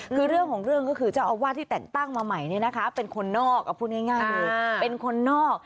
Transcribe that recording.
คือเรื่องของเรื่องก็คือเจ้าอาวาสที่แต่งตั้งมาใหม่เนี่ยนะคะเป็นคนนอก